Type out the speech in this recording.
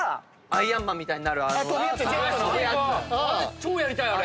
超やりたいあれ。